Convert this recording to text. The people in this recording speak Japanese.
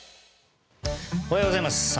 おはようございます。